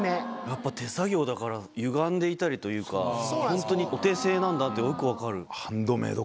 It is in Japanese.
やっぱ手作業だからゆがんでいたりというかホントにお手製なんだってよく分かる。